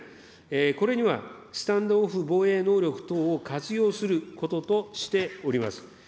これにはスタンド・オフ防衛能力等を活用することとしております。